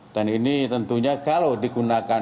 dan ini tentunya kalau digunakan